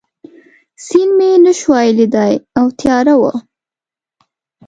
سیند مې نه شوای لیدای او تیاره وه.